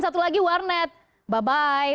satu lagi warnet bye bye